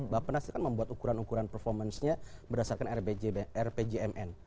bapak penas itu kan membuat ukuran ukuran performance nya berdasarkan rpjmn